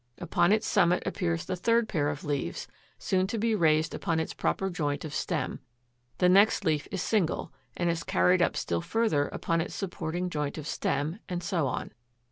Upon its summit appears the third pair of leaves, soon to be raised upon its proper joint of stem; the next leaf is single, and is carried up still further upon its supporting joint of stem; and so on.